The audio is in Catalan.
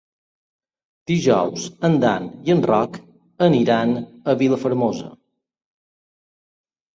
Dijous en Dan i en Roc iran a Vilafermosa.